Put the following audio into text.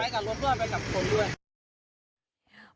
ไปกับรถด้วยไปกับคนด้วย